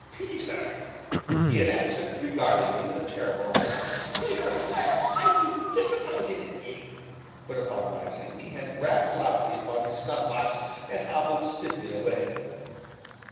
"Peter," he had answered, regarding me with a terrible eye, "Peter, I be disapp'inted in ye!" Hereupon rising, he had rapped loudly upon his snuff box and hobbled stiffly away.